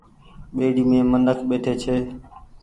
ٻيڙي مين منک ٻيٺي ڇي۔